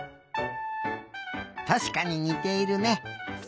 たしかににているね。